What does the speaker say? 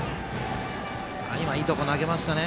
今いいところ投げましたね。